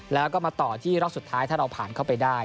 แล้วก็มาต่อที่รอบสุดท้ายถ้าเราผ่านเข้าไปได้